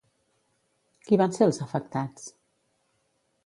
Qui van ser els afectats?